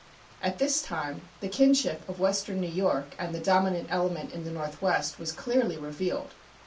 At this time the kinship of western New York and the dominant element in the Northwest was clearly revealed.